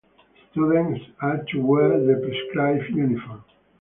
Students are to wear the prescribed uniform.